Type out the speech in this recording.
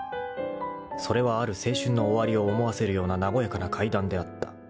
［それはある青春の終わりを思わせるような和やかな会談であった］